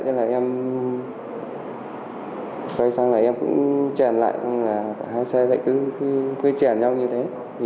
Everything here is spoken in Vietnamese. thế là em quay sang lại em cũng chèn lại hai xe lại cứ chèn nhau như thế